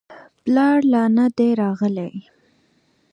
پلار لا نه دی راغلی.